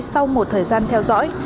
sau một thời gian theo dõi